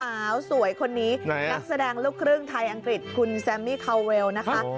สาวสวยคนนี้นักแสดงลูกครึ่งไทยอังกฤษคุณแซมมี่คาวเวลนะคะ